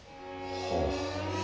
はあ。